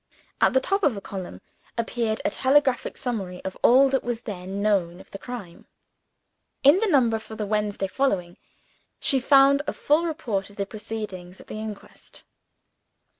At the top of a column appeared a telegraphic summary of all that was then known of the crime. In the number for the Wednesday following, she found a full report of the proceedings at the inquest.